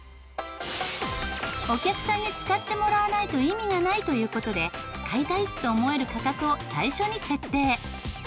お客さんに使ってもらわないと意味がないという事で買いたいと思える価格を最初に設定。